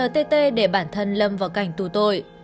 tê để bản thân lâm vào cảnh tù tội